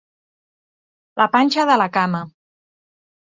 La panxa de la cama.